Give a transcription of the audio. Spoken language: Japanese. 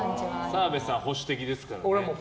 澤部さん、保守的ですからね。